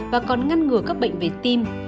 và còn ngăn ngừa các bệnh về tim